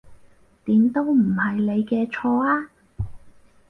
點都唔係你嘅錯呀